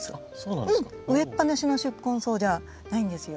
植えっぱなしの宿根草じゃないんですよ。